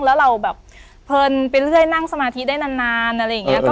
แล้วเราแบบเพลินไปเรื่อยนั่งสมาธิได้นานอะไรอย่างนี้